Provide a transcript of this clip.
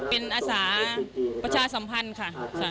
เป็นอาสาประชาสัมพันธ์ค่ะ